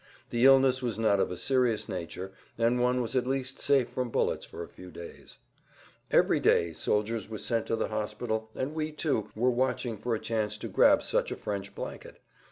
The illness was not of a serious nature, and one was at least safe from bullets for a few days. Every day soldiers were sent to the hospital, and we, too, were watching for a chance to grab such a French blanket.